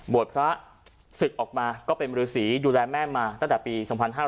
บวชพระศึกออกมาก็เป็นมือรือสีดูแลแม่มาตั้งแต่ปี๒๕๓๔